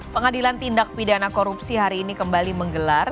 pengadilan tindak pidana korupsi hari ini kembali menggelar